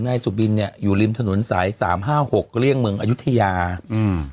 นายสุบินเนี้ยอยู่ริมถนนสายสามห้าหกเลี่ยงเมืองอายุทยาอืม